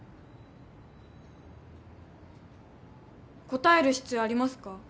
答える必要ありますか？